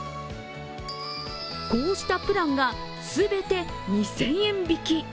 こうしたプランが全て２０００円引き。